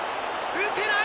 打てない。